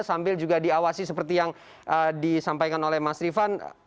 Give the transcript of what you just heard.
sambil juga diawasi seperti yang disampaikan oleh mas rifan